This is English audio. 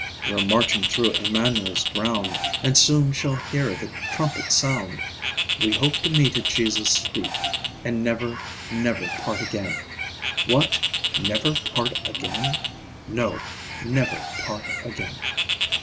We're marching through Immanuel's ground, And soon shall hear the trumpet sound. We hope to meet at Jesus' feet, And never, never part again! What! never part again? No, never part again.